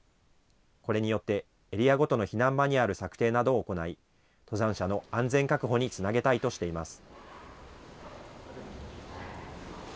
これによって、エリアごとの避難マニュアル策定などを行い、登山者の安全確保につなげたいとしています。